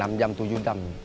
dengan keairan saya